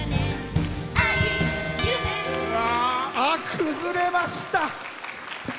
崩れました。